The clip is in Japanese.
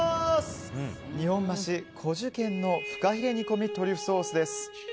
日本橋古樹軒のふかひれ煮込みトリュフソースです。